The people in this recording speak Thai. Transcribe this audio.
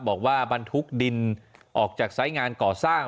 บอกว่าบรรทุกดินออกจากสายงานก่อสร้าง